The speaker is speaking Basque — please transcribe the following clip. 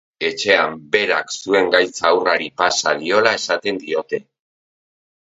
Etxean berak zuen gaitza haurrari pasa diola esaten diote.